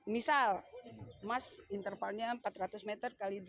misal mas intervalnya empat ratus meter kali delapan